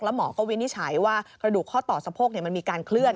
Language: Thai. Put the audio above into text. หมอก็วินิจฉัยว่ากระดูกข้อต่อสะโพกมันมีการเคลื่อ